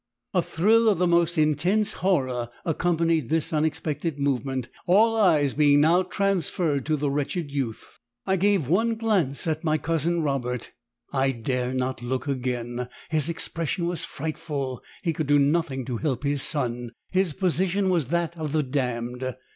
A thrill of the most intense horror accompanied this unexpected movement, all eyes being now transferred to the wretched youth. I gave one glance at my cousin Robert I dare not look again his expression was frightful he could do nothing to help his son his position was that of the damned.